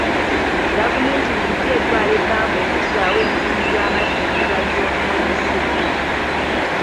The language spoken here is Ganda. Gavumenti bulijjo etwala ebbanga okuzzaawo emidumu gy'amazzi egiba gyonoonese.